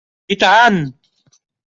I tant!